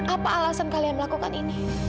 apa alasan kalian melakukan ini